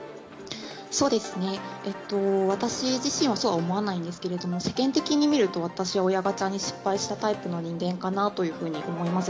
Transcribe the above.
そうですね、私自身はそうは思わないんですけれども、世間的に見ると、私は親ガチャに失敗したタイプの人間かなというふうに思います。